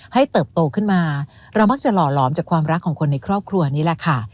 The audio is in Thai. เติบโตขึ้นมาเรามักจะหล่อหลอมจากความรักของคนในครอบครัวนี้แหละค่ะ